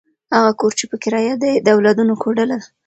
هغه کور چې په کرایه دی، د اولادونو کوډله ده.